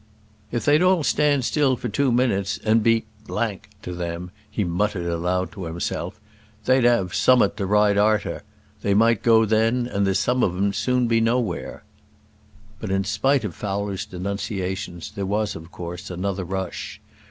"If they'd all stand still for two minutes and be to them," he muttered aloud to himself, "they'd 'ave some'at to ride arter. They might go then, and there's some of 'em 'd soon be nowhere." But in spite of Fowler's denunciations there was, of course, another rush.